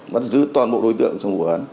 bắt giữ toàn bộ đối tượng trong vụ án